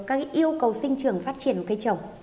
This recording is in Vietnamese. các yêu cầu sinh trường phát triển một cái trồng